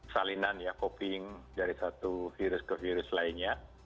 salinan ya copying dari satu virus ke virus lainnya